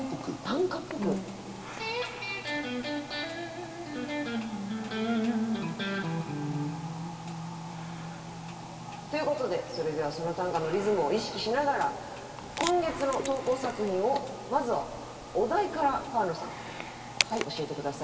短歌っぽく？ということでそれではその短歌のリズムを意識しながら今月の投稿作品をまずはお題から川野さん教えて下さい。